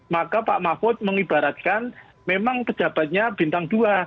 maka pak mahfud mengibaratkan memang pejabatnya bintang dua